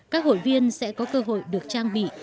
các hội viên sẽ có cơ hội được trang bị